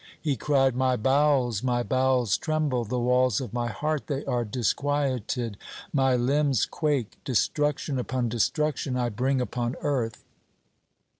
He cried: "My bowels, my bowels tremble, the walls of my heart they are disquieted, my limbs quake, destruction upon destruction I bring upon earth."